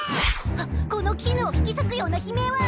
はっこの絹を引き裂くような悲鳴は！